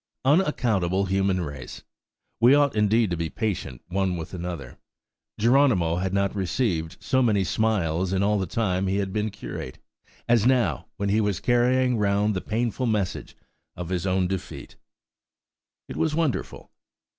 Unaccountable human race! we ought indeed to be patient, one with the other! Geronimo had not received so many smiles in all the time he had been curate, as now, when he was carrying round the painful message of his own defeat. It was wonderful!